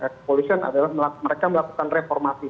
kepolisian adalah mereka melakukan reformasi